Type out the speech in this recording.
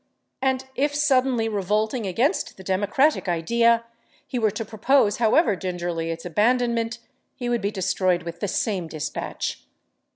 And if, suddenly revolting against the democratic idea, he were to propose, however gingerly, its abandonment, he would be destroyed with the same dispatch.